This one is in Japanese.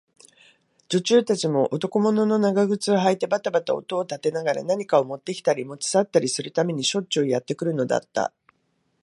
女中たちも、男物の長靴をはいてばたばた音を立てながら、何かをもってきたり、もち去ったりするためにしょっちゅうやってくるのだった。